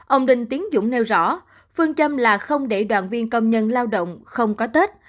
ông đinh tiến dũng nêu rõ phương châm là không để đoàn viên công nhân lao động không có tết